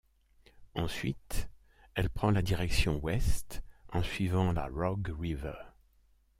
Ensuite, elle prend la direction Ouest en suivant la Rogue river.